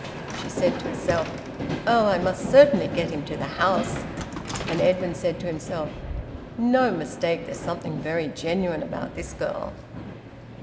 She said to herself: "Oh! I must certainly get him to the house." And Edwin said to himself, "No mistake, there's something very genuine about this girl."